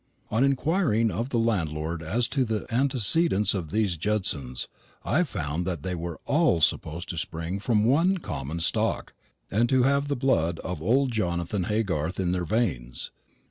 On inquiring of the landlord as to the antecedents of these Judsons, I found that they were all supposed to spring from one common stock, and to have the blood of old Jonathan Haygarth in their veins.